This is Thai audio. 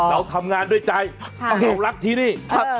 เราทำงานด้วยใจรับที่นี่